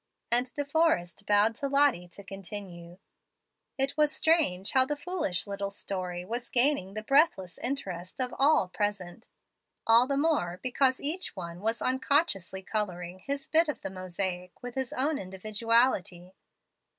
'" And De Forrest bowed to Lottie to continue. It was strange how the foolish little story was gaining the breathless interest of all present all the more because each one was unconsciously coloring his bit of the mosaic with his own individuality.